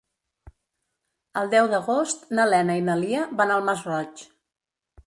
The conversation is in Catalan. El deu d'agost na Lena i na Lia van al Masroig.